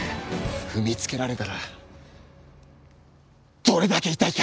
踏みつけられたらどれだけ痛いか！